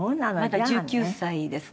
まだ１９歳ですね。